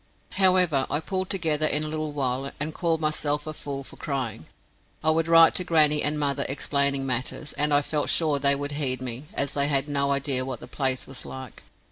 However, I pulled together in a little while, and called myself a fool for crying. I would write to grannie and mother explaining matters, and I felt sure they would heed me, as they had no idea what the place was like.